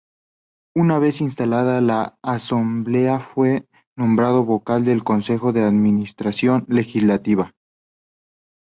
Una vez instalada la Asamblea fue nombrado vocal del Consejo de Administración Legislativa.